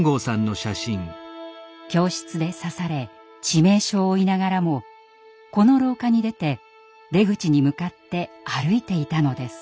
教室で刺され致命傷を負いながらもこの廊下に出て出口に向かって歩いていたのです。